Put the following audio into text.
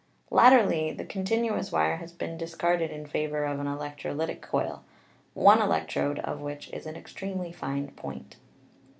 Latterly the continuous wire has been dis carded in favor of an electrolytic coil, one electrode of which is an extremely fine point.